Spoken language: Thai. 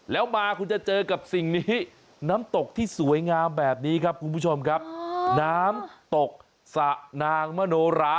แล้วมาคุณจะเจอกับสิ่งนี้น้ำตกที่สวยงามแบบนี้ครับคุณผู้ชมครับน้ำตกสะนางมโนรา